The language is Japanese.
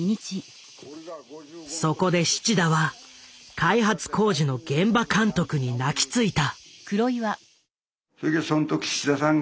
そこで七田は開発工事の現場監督に泣きついた。